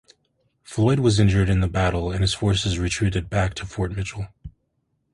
Floyd was injured in the battle and his forces retreated back to Fort Mitchell.